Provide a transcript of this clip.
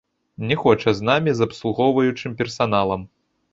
Не хоча з намі, з абслугоўваючым персаналам.